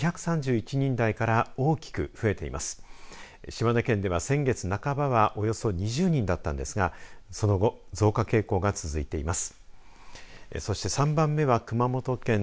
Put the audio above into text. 島根県では先月半ばはおよそ２０人だったんですがその後、増加傾向が続いています。